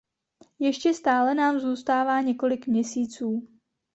Ještě stále nám zůstává několik měsíců.